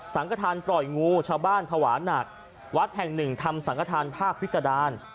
กระทานปล่อยงูชาวบ้านภาวะหนักวัดแห่งหนึ่งทำสังฆฐานภาคพิษดาร